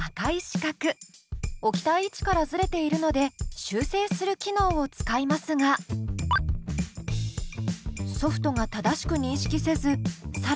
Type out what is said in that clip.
置きたい位置からずれているので修正する機能を使いますがソフトが正しく認識せず更にずれてしまいました。